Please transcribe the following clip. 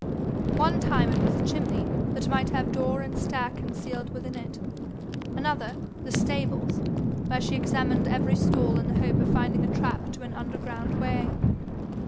One time it was a chimney that might have door and stair concealed within it; another, the stables, where she examined every stall in the hope of finding a trap to an underground way.